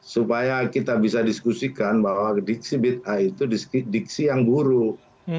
supaya kita bisa diskusikan bahwa diksi ⁇ itha itu diksi yang buruk